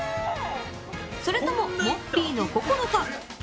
それともモッピーのこゝろか？